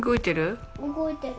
動いてる？